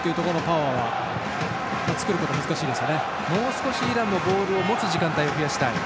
イランももう少しボールを持つ時間を増やしたい。